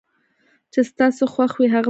چې ستا څه خوښ وي هغه به ورته ووايو